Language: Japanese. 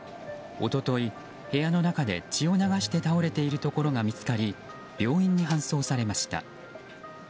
一昨日、部屋の中で血を流して倒れているところが見つかり病院に搬送されました。